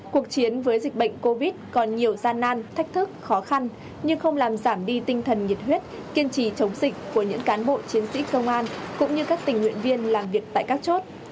cuộc chiến với dịch bệnh covid còn nhiều gian nan thách thức khó khăn nhưng không làm giảm đi tinh thần nhiệt huyết kiên trì chống dịch của những cán bộ chiến sĩ công an cũng như các tình nguyện viên làm việc tại các chốt